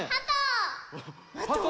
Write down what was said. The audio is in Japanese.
ハト？